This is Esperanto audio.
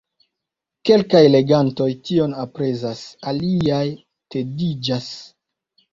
Kelkaj legantoj tion aprezas, aliaj tediĝas.